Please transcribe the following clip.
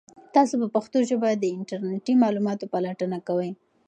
تاسو په پښتو ژبه د انټرنیټي معلوماتو پلټنه کوئ؟